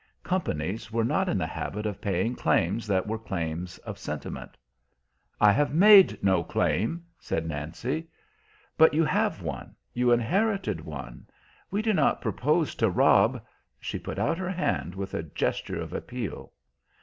Companies were not in the habit of paying claims that were claims of sentiment. "I have made no claim," said Nancy. "But you have one. You inherited one. We do not propose to rob" She put out her hand with a gesture of appeal.